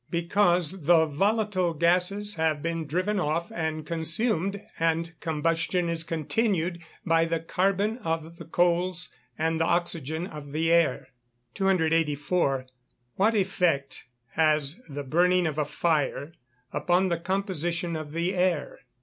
_ Because the volatile gases have been driven off and consumed, and combustion is continued by the carbon of the coals and the oxygen of the air. 284. _What effect has the burning of a fire upon the composition of the air?